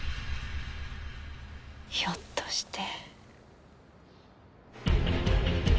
ひょっとして。